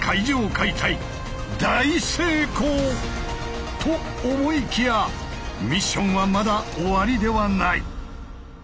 解体大成功！と思いきやミッションはまだ終わりではない。